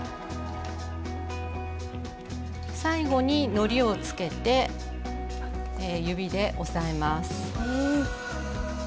最後にのりをつけて指で押さえます。